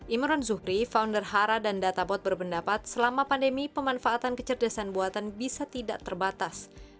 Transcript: imron zuhri founder hara dan databot berpendapat selama pandemi pemanfaatan kecerdasan buatan bisa tidak terbatas